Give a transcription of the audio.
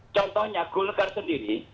contohnya golekar sendiri